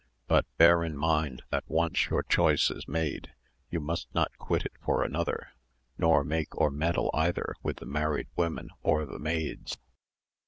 But bear in mind that once your choice is made, you must not quit it for another, nor make or meddle either with the married women or the maids.